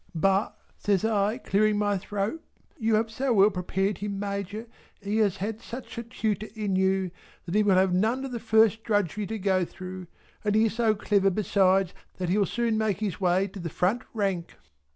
"But" says I clearing my throat "you have so well prepared him Major he has had such a Tutor in you that he will have none of the first drudgery to go through. And he is so clever besides that he'll soon make his way to the front rank."